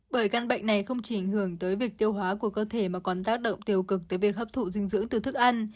bởi căn bệnh này không chỉ ảnh hưởng tới việc tiêu hóa của cơ thể mà còn tác động tiêu cực tới việc hấp thụ dinh dưỡng từ thức ăn